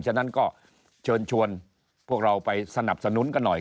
ฉะนั้นก็เชิญชวนพวกเราไปสนับสนุนกันหน่อย